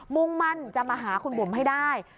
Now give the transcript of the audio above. มุ่งมั่นจะมาหาคุณบุ๋มให้ได้